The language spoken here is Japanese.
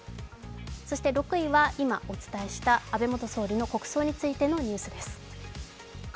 ６位は、今お伝えした安倍元総理の国葬についてのニュースです。